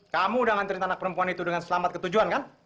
kamu udah ngantri anak perempuan itu dengan selamat ketujuan kan